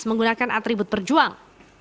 menggunakan atribut perjuang